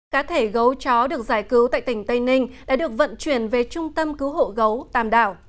cá thể gấu chó được giải cứu tại tỉnh tây ninh đã được vận chuyển về trung tâm cứu hộ gấu tàm đảo